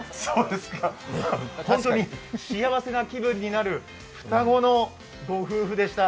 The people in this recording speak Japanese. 本当に幸せな気分になる双子の御夫婦でした。